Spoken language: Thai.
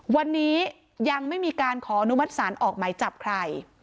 วันนี้ยังไม่มีการขออนุมัติศาลออกไหมจับใคร